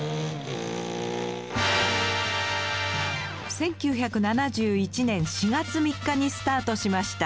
１９７１年４月３日にスタートしました。